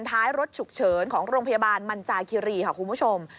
ท้ายรถฉุกเฉินของโรงพยาบาลมันจาคิรีค่ะคุณผู้ชม